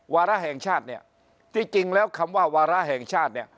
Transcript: วาร่าแห่งชาติที่จริงแล้วคำว่าวาร่าแห่งชาติ